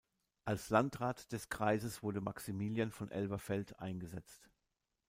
Als Landrat des Kreises wurde Maximilian von Elverfeldt eingesetzt.